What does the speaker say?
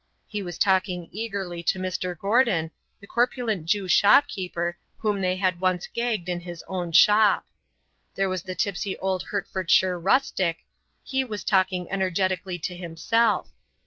He was talking eagerly to Mr. Gordon, the corpulent Jew shopkeeper whom they had once gagged in his own shop. There was the tipsy old Hertfordshire rustic; he was talking energetically to himself.